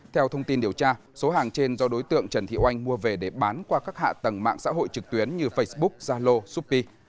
theo thông tin điều tra số hàng trên do đối tượng trần thị oanh mua về để bán qua các hạ tầng mạng xã hội trực tuyến như facebook zalo shopee